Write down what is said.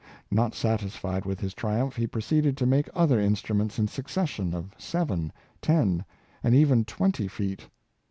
Not satisfied with his triumph, he proceeded to make other instruments in succession, of seven, ten, and even twenty feet.